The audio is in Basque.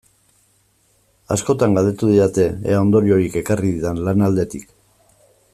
Askotan galdetu didate ea ondoriorik ekarri didan lan aldetik.